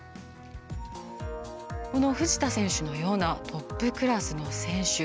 この藤田選手のようなトップクラスの選手